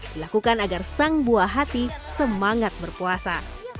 dilakukan agar sang buah hati semangat berpuasa